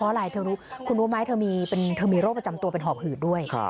เพราะอะไรเธอรู้คุณรู้ไหมเธอมีโรคประจำตัวเป็นหอบหืดด้วย